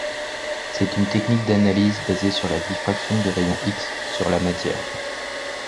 C'est une technique d'analyse basée sur la diffraction des rayons X sur la matière.